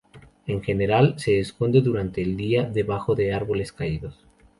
En general, se esconden durante el día debajo de árboles caídos.